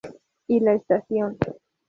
Y la Estación.